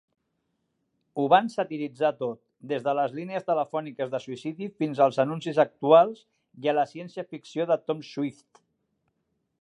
Ho van satiritzar tot, des de les línies telefòniques de suïcidi fins als anuncis actuals i a la ciència ficció de Tom Swift.